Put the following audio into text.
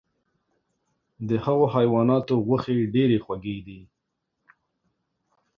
د هغو حیواناتو غوښې ډیرې خوږې دي .